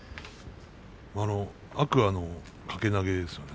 天空海の掛け投げですよね。